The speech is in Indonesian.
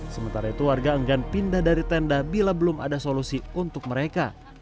sementara itu warga enggan pindah dari tenda bila belum ada solusi untuk mereka